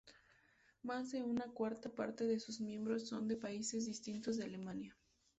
Más de una cuarta parte de sus miembros son de países distintos de Alemania.